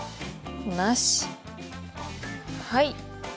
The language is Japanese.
はい。